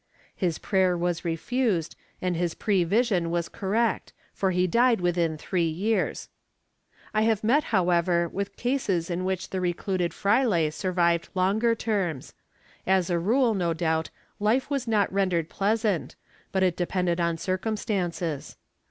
His prayer was refused and his prevision was correct, for he died within three years.^ I have met, however, with cases in which the recluded fraile survived longer terms; as a rule, no doubt, life was not rendered pleasant, but it depended on circum stances.